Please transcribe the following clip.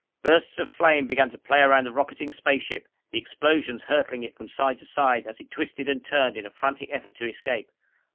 Bursts of flame began to play around the rocketing spaceship, the explosions hurtling it from side to side as it twisted and turned in a frantic effort to escape.